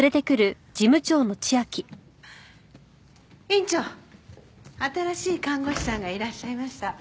院長新しい看護師さんがいらっしゃいました。